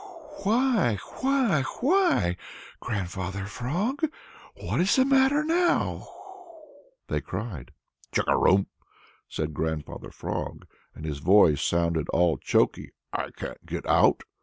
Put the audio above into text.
"Why why why, Grandfather Frog, what is the matter now?" they cried. "Chugarum," said Grandfather Frog, and his voice sounded all choky, "I can't get out."